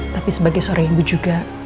tapi sebagai seorang ibu juga